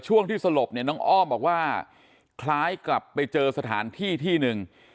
ช่วงที่สลบเนี่ยน้องอ้อมบอกว่าคล้ายกลับไปเจอสถานที่ที่หนึ่ง